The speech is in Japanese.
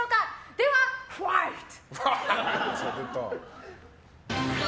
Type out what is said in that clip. では、ファイト！